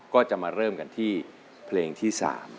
ก็จะมาเริ่มกันที่เพลงที่๓